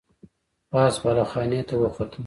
پاس بالا خانې ته وخوته.